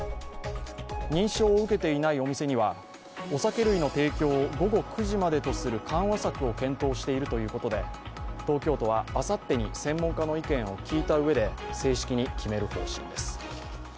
認証を受けていないお店にはお酒類の提供を午後９時までとする緩和策を検討しているということで東京都は、あさってに専門家の意見を聞いたうえで正式に決める方針です。